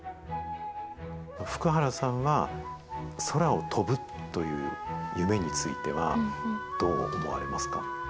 福原さんは空を飛ぶという夢については、どう思われますか。